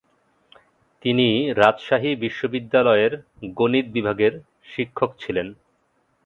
তিনি রাজশাহী বিশ্ববিদ্যালয়ের গণিত বিভাগের শিক্ষক ছিলেন।